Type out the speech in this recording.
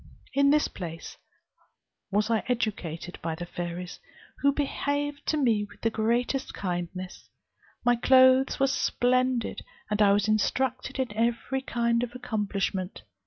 In this place was I educated by the fairies, who behaved to me with the greatest kindness; my clothes were splendid, and I was instructed in every kind of accomplishment.